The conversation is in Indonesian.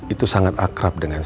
itu sangat akrab dengan saya